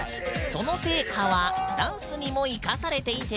その成果はダンスにもいかされていて。